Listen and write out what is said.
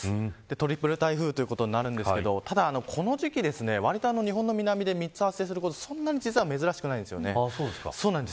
トリプル台風ということになるんですがただこの時期、日本の南で３つ発生することはそんなに珍しくありません。